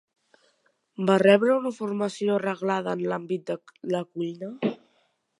Va rebre una formació reglada en l'àmbit de la cuina?